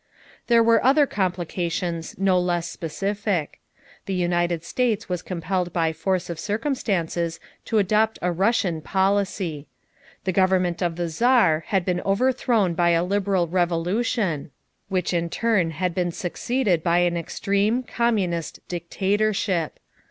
There were other complications no less specific. The United States was compelled by force of circumstances to adopt a Russian policy. The government of the Czar had been overthrown by a liberal revolution, which in turn had been succeeded by an extreme, communist "dictatorship."